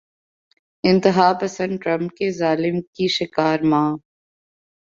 انتہا پسند ٹرمپ کے ظلم کی شکار ماں